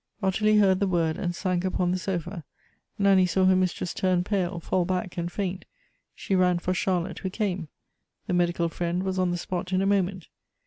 Ottilie heard the word, and sank upon the sofa. Nanny saw her mistress turn pale, fall back, and faint. She ran for Charlotte, who came. The medical friend was on the spot in a moment.